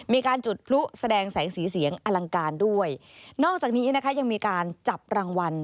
มีการจุดพลุแสดงแสงสีเสียงอลังการด้วยนอกจากนี้นะคะยังมีการจับรางวัล